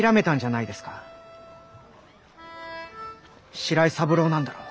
白井三郎なんだろ。